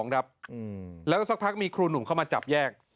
แล้วสักพักมีครูหนุ่มเข้ามาจับแยก